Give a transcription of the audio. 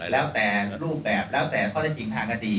แล้วแต่รูปแบบแล้วแต่ข้อได้จริงทางคดี